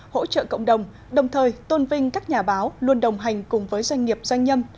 hỗ trợ cộng đồng đồng thời tôn vinh các nhà báo luôn đồng hành cùng với doanh nghiệp doanh nhân